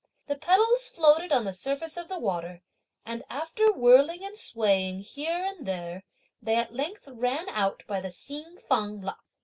The petals floated on the surface of the water, and, after whirling and swaying here and there, they at length ran out by the Hsin Fang lock.